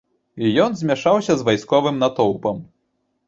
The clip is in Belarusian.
Ён змяшаўся з вайсковым натоўпам.